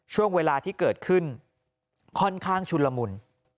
ช่วงเวลาที่เกิดขึ้นค่อนข้างชุนละมุน